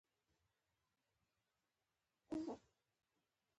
تر دې وړاندې چې په ژوند کې برياليتوب تر لاسه شي.